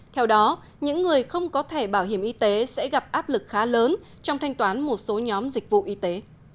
theo đó những người không có thẻ bảo hiểm y tế sẽ gặp áp lực khá lớn trong thanh toán một số nhóm dịch vụ y tế